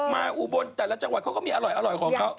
อุบลแต่ละจังหวัดเขาก็มีอร่อยของเขา